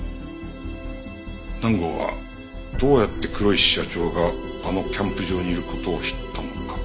南郷はどうやって黒石社長があのキャンプ場にいる事を知ったのか。